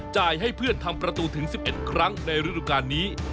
ให้เพื่อนทำประตูถึง๑๑ครั้งในฤดูการนี้